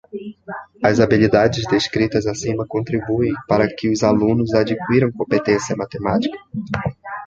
As habilidades descritas acima contribuem para que os alunos adquiram competência matemática.